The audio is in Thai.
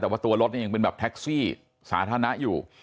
แต่ว่าตัวรถเนี่ยยังเป็นแบบแท็กซี่สาธารณะอยู่